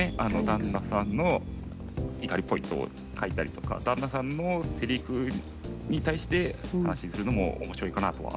旦那さんの怒りポイントを書いたりとか旦那さんのせりふに対して話にするのも面白いかなとは思っています。